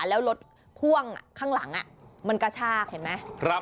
แล้วรถพ่วงข้างหลังมันกระชากเห็นไหม